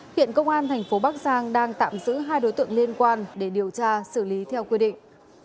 hiện công an thành phố bắc giang đang tạm giữ hai đối tượng liên quan để điều tra xử lý theo quy định